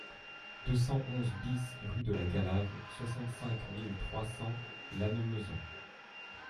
deux cent onze BIS rue de la Galave, soixante-cinq mille trois cents Lannemezan